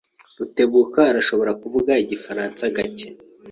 Rutebuka arashobora kuvuga igifaransa gake.